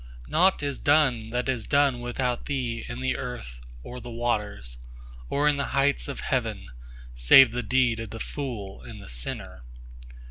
Nought is done that is done without Thee in the earth or the watersOr in the heights of heaven, save the deed of the fool and the sinner.